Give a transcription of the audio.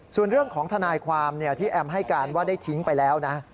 ส่วนเรื่องของทนายความที่แอมให้การว่าได้ทิ้งไปแล้วนะ